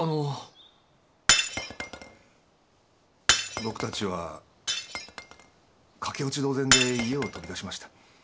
僕たちは駆け落ち同然で家を飛び出しました